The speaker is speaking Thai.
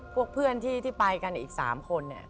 พวกเพื่อนที่ไปกันอีกสามคนเนี่ย